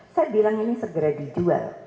saya bilang ini segera dijual